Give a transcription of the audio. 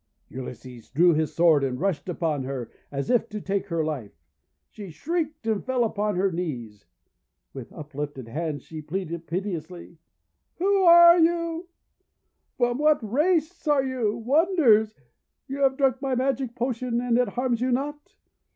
Ulysses drew his sword and rushed upon her, as if to take her life. She shrieked and fell upon her knees. With uplifted hands she pleaded piteously :—* Who are you ? From what great race are you ? Wonders! You have drunk my magic potion, and it harms you not!